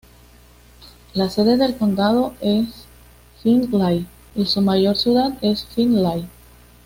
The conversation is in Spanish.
La sede del condado es Findlay, y su mayor ciudad es Findlay.